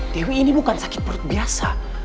dewi ini bukan sakit perut biasa